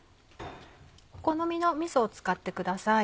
お好みのみそを使ってください。